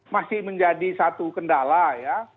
masih menjadi satu kendala ya